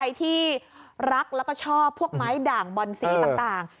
ใครที่รักแล้วก็ชอบพวกไม้ด่างบอนสีต่าง